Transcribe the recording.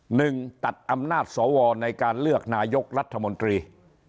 หนึ่งตัดอำนาจสวในการเลือกนายกรัฐมนตรี